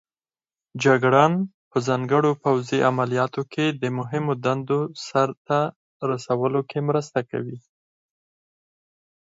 جګړن په ځانګړو پوځي عملیاتو کې د مهمو دندو سرته رسولو کې مرسته کوي.